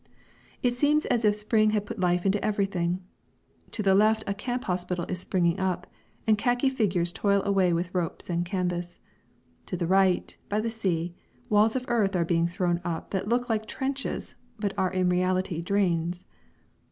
It seems as if spring had put life into everything. To the left a camp hospital is springing up, and khaki figures toil away with ropes and canvas. To the right, by the sea, walls of earth are being thrown up that look like trenches, but are in reality drains.